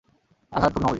আঘাত খুবই মামুলী।